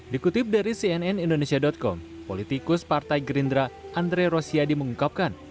dikutip dari cnn indonesia com politikus partai gerindra andre rosiadi mengungkapkan